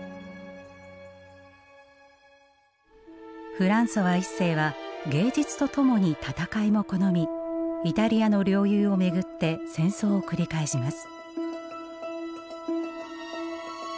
フランソワ一世は芸術とともに戦いも好みイタリアの領有を巡って戦争を繰り返します。